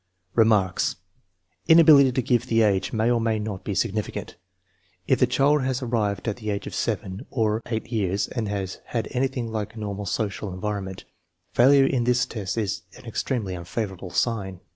Remarks. Inability to give the age may or may not be significant. If the child has arrived at the age of 7 or 8 years and has had anything like a normal social environ ment, failure in the test is an extremely unfavorable sign.